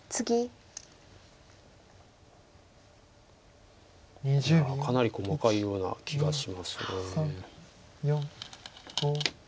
いやかなり細かいような気がします。